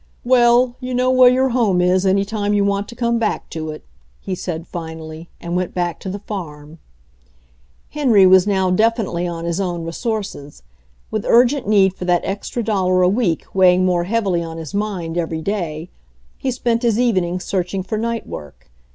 "Well, you know where your home is any time you want to come back to it," he said finally, and went back to the farm. Henry was now definitely on his own re sources. With urgent need for that extra dollar a week weighing more heavily on his mind every day, he spent his evenings searching for night work.